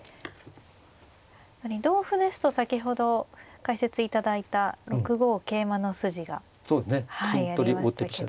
同歩ですと先ほど解説いただいた６五桂馬の筋がありましたけど。